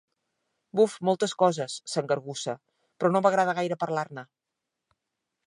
Buf, moltes coses —s'engargussa—, però no m'agrada gaire parlar-ne.